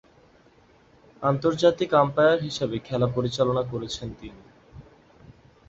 আন্তর্জাতিক আম্পায়ার হিসেবে খেলা পরিচালনা করেছেন তিনি।